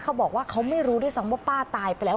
เขาบอกว่าเขาไม่รู้ด้วยซ้ำว่าป้าตายไปแล้ว